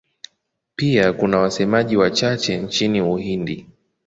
Pia kuna wasemaji wachache nchini Uhindi.